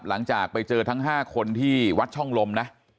หลังจากไปเจอทั้ง๕คนที่วัดช่องลมนะ